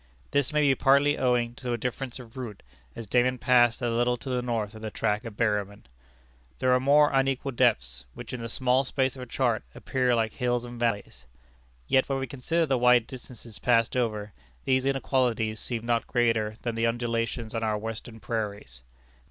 (This may be partly owing to a difference of route, as Dayman passed a little to the north of the track of Berryman.) There are more unequal depths, which in the small space of a chart, appear like hills and valleys. Yet when we consider the wide distances passed over, these inequalities seem not greater than the undulations on our Western prairies.